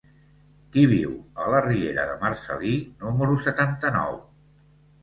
Qui viu a la riera de Marcel·lí número setanta-nou?